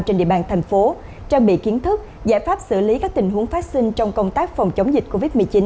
trên địa bàn thành phố trang bị kiến thức giải pháp xử lý các tình huống phát sinh trong công tác phòng chống dịch covid một mươi chín